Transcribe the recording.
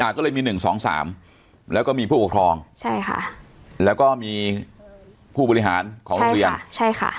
ก็เลยมี๑๒๓แล้วก็มีผู้ปกครองแล้วก็มีผู้บริหารของโรงเรียน